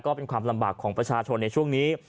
ก็เป็นความลำบากของประชาชนในช่วงนี้